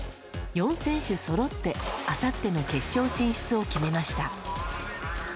４選手そろって、あさっての決勝進出を決めました。